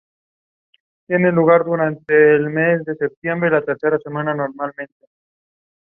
Humayun Saeed was cast as guest appearance for the last bumper episode.